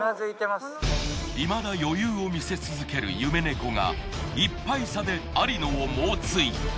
いまだ余裕を見せ続ける夢猫が１杯差でありのを猛追。